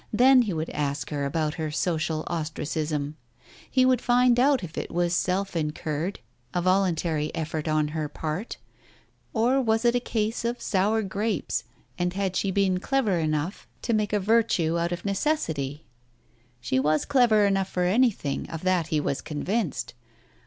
Then he would ask her about her social ostracism. He would find out if it was self incurred, a voluntary effort on her part ? Or was it a case of sour grapes, and had she been clever enough to make a virtue Digitized by Google THE TIGER SKIN 273 out of necessity ? She was clever enough for anything, of that he was convinced.